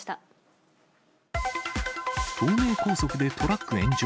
東名高速でトラック炎上。